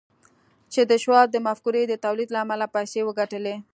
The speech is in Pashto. چې د شواب د مفکورې د توليد له امله يې پيسې وګټلې.